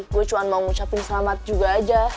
gue cuma mau ngucapin selamat juga aja